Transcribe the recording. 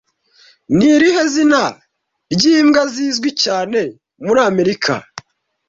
Ni irihe zina ryimbwa zizwi cyane muri Amerika